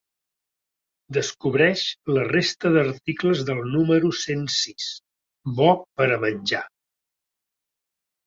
Descobreix la resta d’articles del número cent sis, ‘Bo per a menjar’.